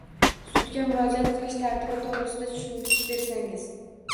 Sudga murojaat qilish tartibi to‘g‘risida tushuntirish bersangiz?